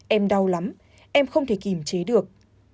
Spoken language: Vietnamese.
em đau lắm em không thể kìm chế được